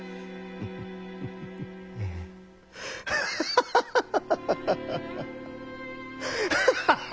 フハハハハハ！